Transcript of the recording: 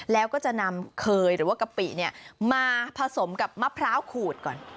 แล้วก็จะนำเคยหรือว่ากะปิมาผสมกับมะพร้าวขูดก่อน